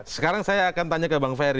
sekarang saya akan tanya ke bang ferry